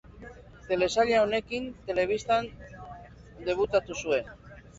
Telesaila honekin telebistan debutatu zuen.